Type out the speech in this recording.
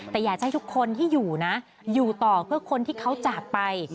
แต่อยากจะให้ทุกคนที่อยู่นะอยู่ต่อเพื่อคนที่เขาจากไป